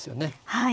はい。